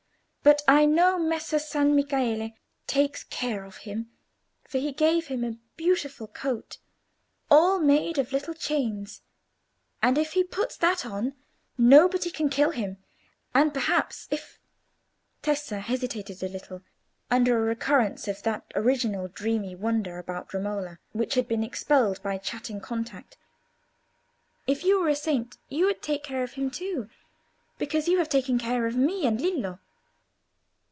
"But I know Messer San Michele takes care of him, for he gave him a beautiful coat, all made of little chains; and if he puts that on, nobody can kill him. And perhaps, if—" Tessa hesitated a little, under a recurrence of that original dreamy wonder about Romola which had been expelled by chatting contact—"if you were a saint, you would take care of him, too, because you have taken care of me and Lillo."